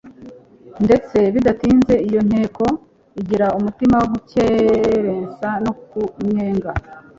ndetse bidatinze iyo nteko igira umutima wo gukerensa no kunnyega.